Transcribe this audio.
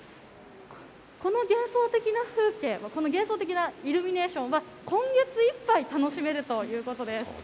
この幻想的な風景、この幻想的なイルミネーションは今月いっぱい楽しめるということです。